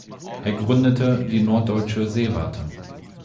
Er gründete die Norddeutsche Seewarte.